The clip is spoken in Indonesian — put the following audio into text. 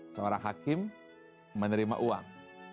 seorang hakim menerima uang